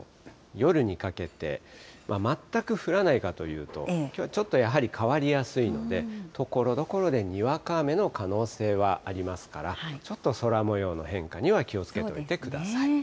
夜にかけて、全く降らないかというと、きょうはちょっとやはり変わりやすいので、ところどころでにわか雨の可能性はありますから、ちょっと空もようの変化には気をつけておいてください。